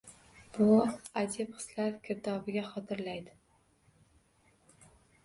Bu ajib hislar girdobiga xotirlaydi.